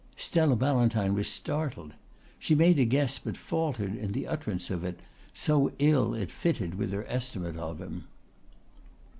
Stella Ballantyne was startled. She made a guess but faltered in the utterance of it, so ill it fitted with her estimate of him.